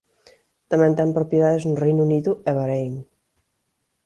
Tamén ten propiedades no Reino Unido e Bahrein.